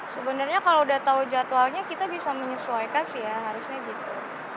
sebenarnya kalau udah tahu jadwalnya kita bisa menyesuaikan sih ya harusnya gitu